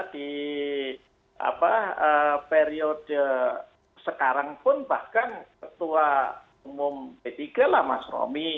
di periode sekarang pun bahkan ketua umum p tiga lah mas romi